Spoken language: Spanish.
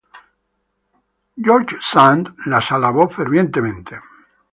George Sand las alabó fervientemente.